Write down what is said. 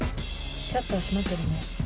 シャッター閉まってるね。